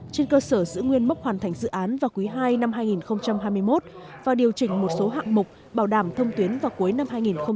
trên cơ sở giữ nguyên mốc hoàn thành dự án vào quý ii năm hai nghìn hai mươi một và điều chỉnh một số hạng mục bảo đảm thông tuyến vào cuối năm hai nghìn hai mươi